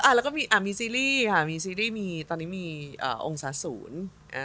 แล้วก็มีซีรีส์ค่ะมีซีรีส์มีตอนนี้มีองศาศูนย์